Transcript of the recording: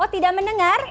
oh tidak mendengar